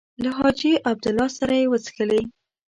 له حاجي عبدالله سره یې وڅښلې.